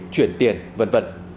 chuyển tiền v v